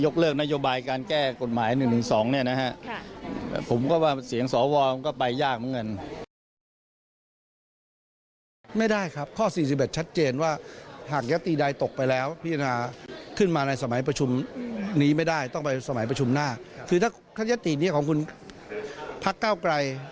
คือถ้ายศตินี้ของคุณพรรดิพรรษกล้าวไกล